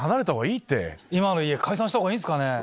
今の家解散したほうがいいんですかね？